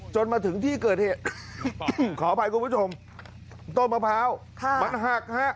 จนถึงที่เกิดเหตุขออภัยคุณผู้ชมต้นมะพร้าวมันหักฮะ